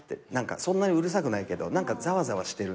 そんなにうるさくないけど何かざわざわしてるんですよ。